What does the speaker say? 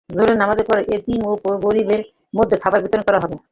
জোহর নামাজের পর এতিম ও গরিবদের মধ্যে খাবার বিতরণ করা হবে।